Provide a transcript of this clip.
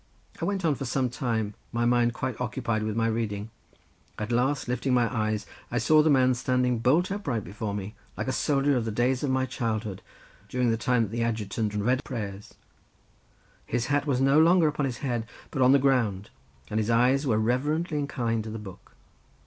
I went on for some time, my mind quite occupied with my reading; at last lifting up my eyes, I saw the man standing bolt upright before me, like a soldier of the days of my childhood, during the time that the adjutant read prayers; his hat was no longer upon his head, but on the ground, and his eyes were reverently inclined to the book.